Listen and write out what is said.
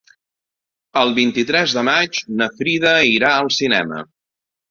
El vint-i-tres de maig na Frida irà al cinema.